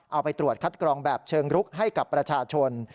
เอาไปตรวจคัดกรองแบบเชิงรุกให้กับประชาชน